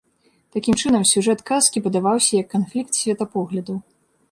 Такім чынам, сюжэт казкі падаваўся як канфлікт светапоглядаў.